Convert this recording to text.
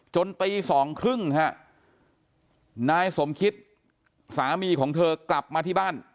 ตีสองครึ่งฮะนายสมคิตสามีของเธอกลับมาที่บ้าน